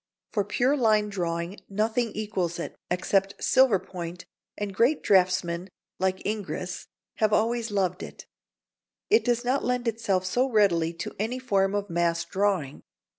For pure line drawing nothing equals it, except silver point, and great draughtsmen, like Ingres, have always loved it. It does not lend itself so readily to any form of mass drawing.